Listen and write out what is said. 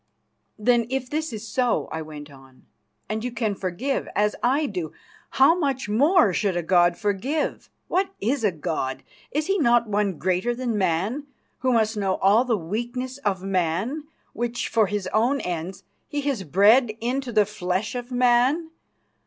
"Then, if this is so," I went on, "and you can forgive, as I do, how much more should a god forgive? What is a god? Is he not one greater than man, who must know all the weakness of man, which, for his own ends, he has bred into the flesh of man?